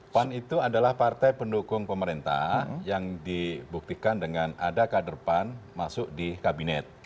pan itu adalah partai pendukung pemerintah yang dibuktikan dengan ada kader pan masuk di kabinet